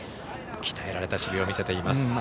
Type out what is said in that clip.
鍛えられた守備を見せています。